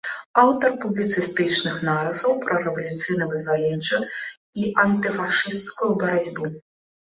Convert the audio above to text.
Аўтар публіцыстычных нарысаў пра рэвалюцыйна-вызваленчую і антыфашысцкую барацьбу.